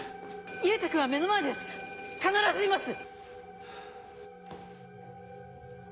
優太君は目の前です必ずいます！